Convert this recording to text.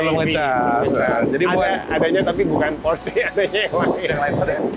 ada nya tapi bukan porsche ada nya yang lain